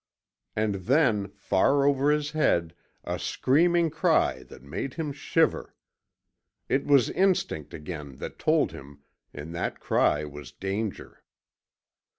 And then, far over his head, a screaming cry that made him shiver. It was instinct again that told him in that cry was danger.